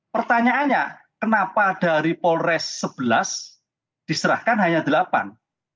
pertanyaannya kenapa dari polres sebelas diserahkan hanya delapan